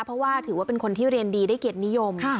เพราะว่าถือว่าเป็นคนที่เรียนดีได้เกียรตินิยม